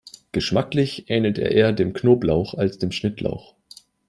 Geschmacklich ähnelt er eher dem Knoblauch als dem Schnittlauch.